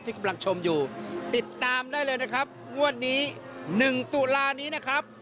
กำลังชมอยู่ติดตามได้เลยนะครับงวดนี้๑ตุลานี้นะครับ